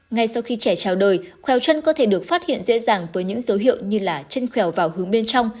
ngay sau khi trẻ trao đời khéo chân có thể được phát hiện dễ dàng với những dấu hiệu như là chân khéo vào hướng bên trong